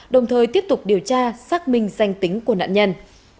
đồng thời tiếp tục điều tra xác minh danh tính của nạn nhân